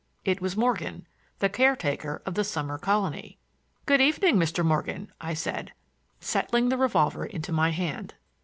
It was Morgan, the caretaker of the summer colony. "Good evening, Mr. Morgan," I said, settling the revolver into my hand.